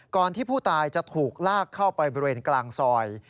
ที่ผู้ตายจะถูกลากเข้าไปบริเวณกลางซอย